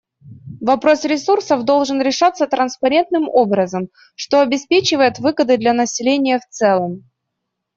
Вопрос ресурсов должен решаться транспарентным образом, что обеспечивает выгоды для населения в целом.